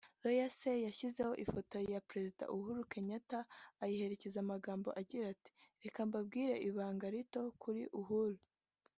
Ray C yashyizeho ifoto ya Perezida Uhuru Kenyatta ayiherekeza amagambo agira ati “Reka mbabwire ibanga rito kuri Uhuru